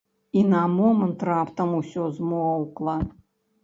І на момант раптам усё змоўкла.